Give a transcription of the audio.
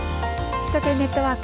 首都圏ネットワーク。